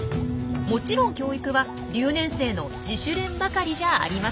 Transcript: もちろん教育は留年生の「自主練」ばかりじゃありません。